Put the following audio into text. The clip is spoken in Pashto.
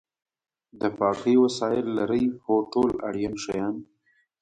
د پاکۍ وسایل لرئ؟ هو، ټول اړین شیان